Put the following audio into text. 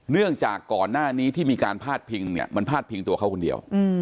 เนื่องจากก่อนหน้านี้ที่มีการพาดพิงเนี่ยมันพาดพิงตัวเขาคนเดียว